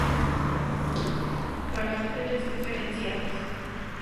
Caracteres diferenciales.